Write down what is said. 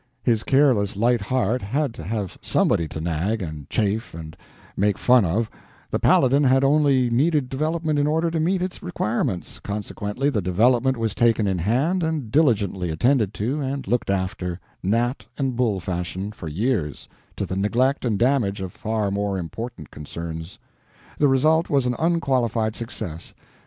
His careless light heart had to have somebody to nag and chaff and make fun of, the Paladin had only needed development in order to meet its requirements, consequently the development was taken in hand and diligently attended to and looked after, gnat and bull fashion, for years, to the neglect and damage of far more important concerns. The result was an unqualified success.